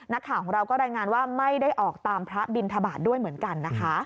นักข่าวของเราก็รายงานว่าไม่ได้ออกตามพระบินทบาทด้วยเหมือนกันนะคะ